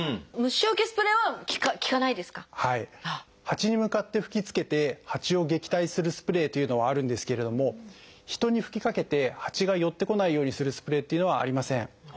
ハチに向かって吹きつけてハチを撃退するスプレーというのはあるんですけれども人に吹きかけてハチが寄ってこないようにするスプレーっていうのはありません。